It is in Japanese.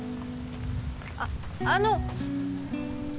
あっあの！